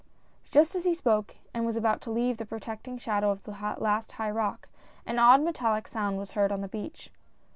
Just as he spoke and was about to leave the protect ing shadow of the last high rock, an odd metallic sound was heard on the beach.